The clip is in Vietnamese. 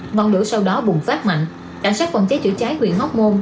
ngọn lửa sau đó bùng phát mạnh cảnh sát quần cháy chữa cháy huyện hốc môn